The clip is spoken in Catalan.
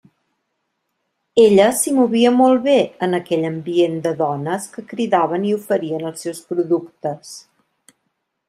Ella s'hi movia molt bé, en aquell ambient de dones que cridaven i oferien els seus productes.